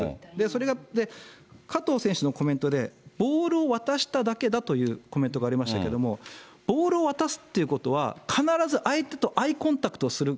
それが、加藤選手のコメントで、ボールを渡しただけだというコメントがありましたけども、ボールを渡すっていうことは、必ず相手とアイコンタクトする、